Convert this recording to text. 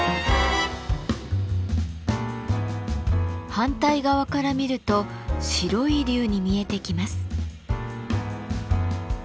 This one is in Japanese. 反対側から見ると白い龍に見えてきます。